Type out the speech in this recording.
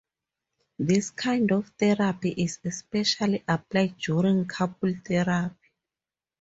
This kind of therapy is especially applied during couple therapy.